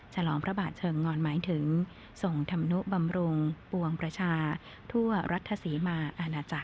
ฉลองพระบาทเชิงงอนหมายถึงส่งธรรมนุบำรุงปวงประชาทั่วรัฐศรีมาอาณาจักร